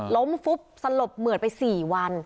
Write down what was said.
ล้มปุ๊บสลบเหมือนไปสี่วัน